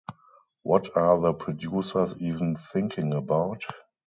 What are the producers even thinking about?